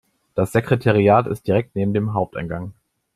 Das Sekretariat ist direkt neben dem Haupteingang.